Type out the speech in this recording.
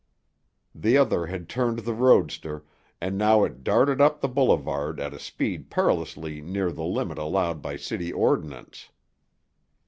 The other had turned the roadster, and now it darted up the boulevard at a speed perilously near the limit allowed by city ordinance.